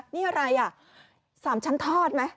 นี่อะไรอ่ะ๓ชั้นทอดไหม